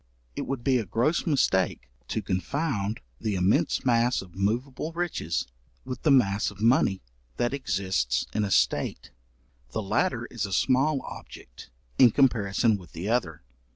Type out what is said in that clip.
It would be a gross mistake to confound the immense mass of moveable riches with the mass of money that exists in a state; the latter is a small object in comparison with the other.